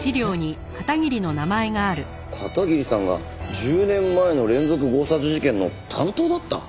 片桐さんが１０年前の連続強殺事件の担当だった？